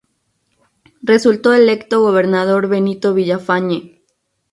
Resultó electo gobernador Benito Villafañe.